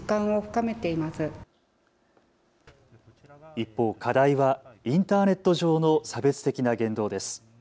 一方、課題はインターネット上の差別的な言動です。